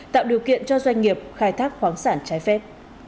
tạo điều kiện cho doanh nghiệp khai thác khoáng sản trái phép